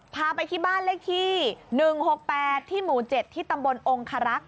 พาไปที่บ้านเลขที่๑๖๘ที่หมู่๗ที่ตำบลองคารักษ